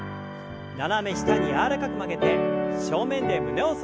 斜め下に柔らかく曲げて正面で胸を反らせます。